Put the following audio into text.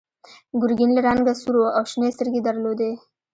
ګرګین له رنګه سور و او شنې سترګې یې درلودې.